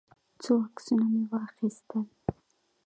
څو عکسونه مې واخیستل.